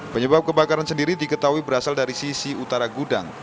penyebab kebakaran sendiri diketahui berasal dari sisi utara gudang